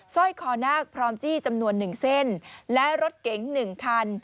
ซ่อยคอนากพร้อมจี้จำนวน๑เส้นและรถเก๋ง๑คัน